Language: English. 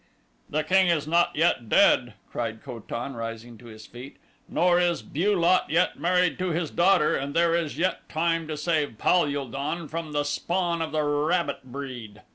"The king is not yet dead!" cried Ko tan, rising to his feet; "nor is Bu lot yet married to his daughter and there is yet time to save Pal ul don from the spawn of the rabbit breed."